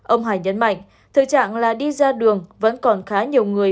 ông hải nhấn mạnh thực trạng là đi ra đường vẫn còn khá nhiều người